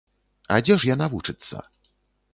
А дзе ж яна вучыцца?